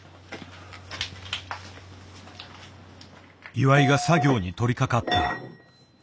岩井が作業にとりかかった。